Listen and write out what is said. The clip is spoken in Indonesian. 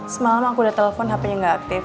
semalam aku udah telepon hapenya gak aktif